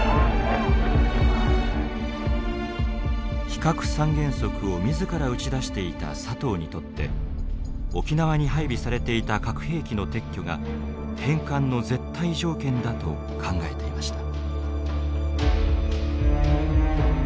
非核三原則を自ら打ち出していた佐藤にとって沖縄に配備されていた核兵器の撤去が返還の絶対条件だと考えていました。